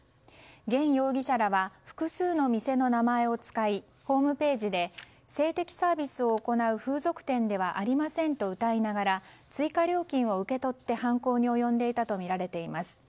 ゲン容疑者らは複数の店の名前を使いホームページで性的サービスを行う風俗店ではありませんとうたいながら追加料金を受け取って、犯行に及んでいたとみられています。